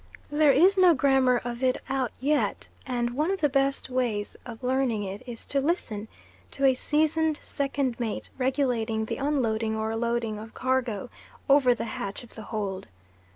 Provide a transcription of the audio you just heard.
There is no grammar of it out yet; and one of the best ways of learning it is to listen to a seasoned second mate regulating the unloading or loading, of cargo, over the hatch of the hold.